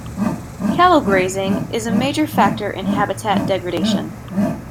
Cattle grazing is a major factor in habitat degradation.